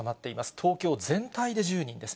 東京全体で１０人です。